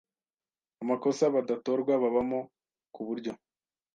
amakosa badatorwa babamo ku buryo